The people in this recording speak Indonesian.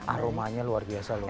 aromanya luar biasa loh